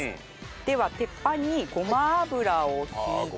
では鉄板にごま油を引いて。